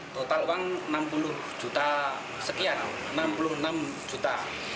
total uang enam puluh juta sekian enam puluh enam juta